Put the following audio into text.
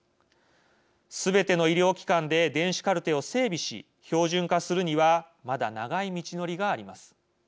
すべての医療機関で電子カルテを整備し標準化するにはまだ長い道のりがあります。